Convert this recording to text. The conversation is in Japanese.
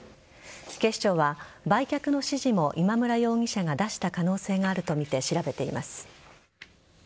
警視庁は、売却の指示も今村容疑者が出した可能性があるとみて調べています。